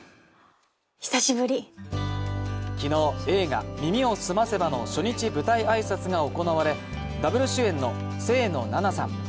昨日、映画「耳をすませば」の初日舞台挨拶が行われ、ダブル主演の清野菜名さん